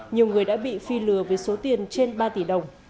nhiều người đã bị phi lừa với số tiền trên ba tỷ đồng